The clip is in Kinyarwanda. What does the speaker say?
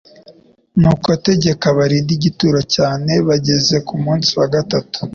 Nuko tegeka barinde igituro cyane bageze ku munsi wa gatatu,